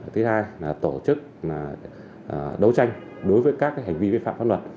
thứ hai là tổ chức đấu tranh đối với các hành vi vi phạm pháp luật